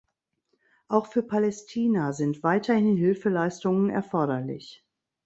Auch für Palästina sind weiterhin Hilfeleistungen erforderlich.